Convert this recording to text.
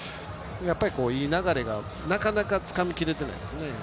いい流れが、なかなかつかみきれてないですよね。